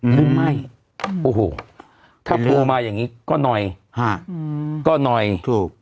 หรือไม่โอ้โหถ้าโพลมาอย่างนี้ก็หน่อยฮะก็หน่อยถูก